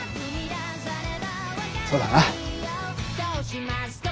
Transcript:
そうだな。